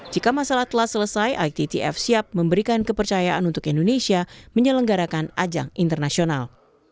jika masalah telah selesai ittf siap memberikan kepercayaan untuk indonesia menyelenggarakan ajang internasional